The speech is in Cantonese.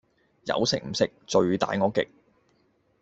有食唔食，罪大惡極